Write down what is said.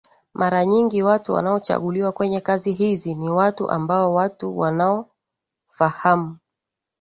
mara nyingi watu wanaochaguliwa kwenye kazi hizi ni watu ambao watu wanao fahamu